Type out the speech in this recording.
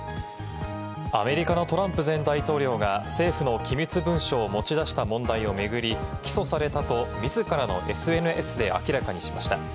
アメリカのトランプ前大統領が政府の機密文書を持ち出した問題を巡り、起訴されたと自らのＳＮＳで明らかにしました。